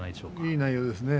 いい内容ですね。